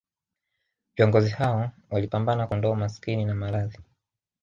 Viongozi hao walipambana kuondoa umaskini na maradhi